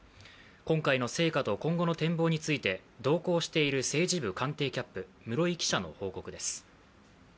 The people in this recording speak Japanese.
今回の成果と今後の展望について、同行している政治部官邸キャップ、室井記者の報告です。